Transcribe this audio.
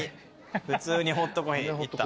普通にホットコーヒーいった。